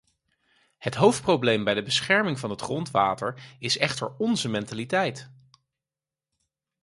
Het hoofdprobleem bij de bescherming van het grondwater is echter onze mentaliteit.